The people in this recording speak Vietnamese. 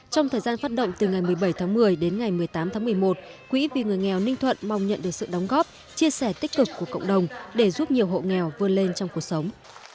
trong thời gian phát động từ ngày một mươi bảy tháng một mươi đến ngày một mươi tám tháng một mươi một quỹ vì người nghèo ninh thuận mong nhận được sự đóng góp chia sẻ tích cực của cộng đồng để giúp nhiều hộ nghèo vươn lên trong cuộc sống